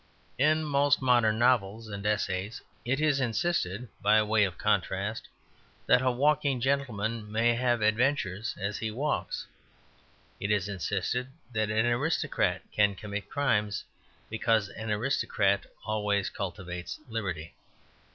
In most modern novels and essays it is insisted (by way of contrast) that a walking gentleman may have ad ventures as he walks. It is insisted that an aristocrat can commit crimes, because an aristocrat always cultivates liberty.